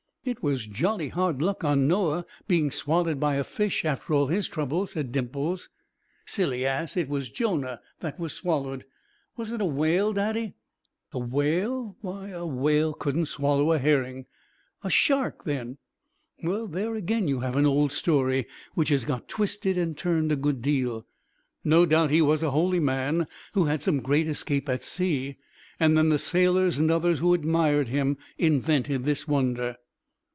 "It was jolly hard luck on Noah being swallowed by a fish after all his trouble," said Dimples. "Silly ass! It was Jonah that was swallowed. Was it a whale, Daddy?" "A whale! Why, a whale couldn't swallow a herring!" "A shark, then?" "Well, there again you have an old story which has got twisted and turned a good deal. No doubt he was a holy man who had some great escape at sea, and then the sailors and others who admired him invented this wonder."